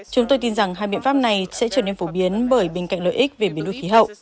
chúng tôi tin rằng hai biện pháp này sẽ trở nên phổ biến bởi bên cạnh lợi ích về biến đuôi khí hậu